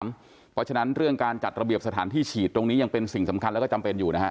เพราะฉะนั้นเรื่องการจัดระเบียบสถานที่ฉีดตรงนี้ยังเป็นสิ่งสำคัญแล้วก็จำเป็นอยู่นะฮะ